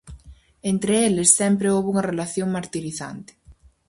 Entre eles sempre houbo unha relación martirizante.